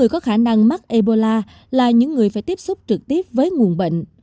càng mắc ebola là những người phải tiếp xúc trực tiếp với nguồn bệnh